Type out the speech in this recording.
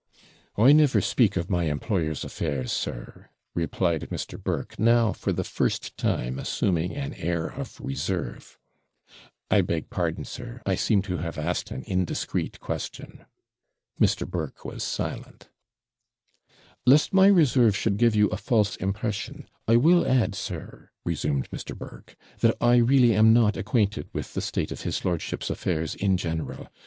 'I never speak of my employer's affairs, sir,' replied Mr. Burke; now for the first time assuming an air of reserve. 'I beg pardon, sir I seem to have asked an indiscreet question.' Mrs. Burke was silent. 'Lest my reserve should give you a false impression, I will add, sir,' resumed Mr. Burke, 'that I really am not acquainted with the state of his lordship's affairs in general.